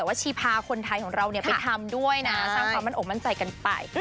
ชีพาคนไทยของเราไปทำด้วยนะสร้างความมั่นอกมั่นใจกันไป